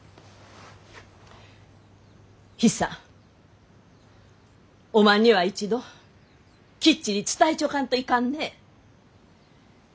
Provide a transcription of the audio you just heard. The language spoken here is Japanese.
ヒサおまんには一度きっちり伝えちょかんといかんね。